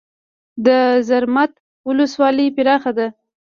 د زرمت ولسوالۍ پراخه ده